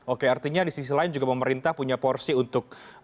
oke artinya di sisi lain juga pemerintah punya porsi untuk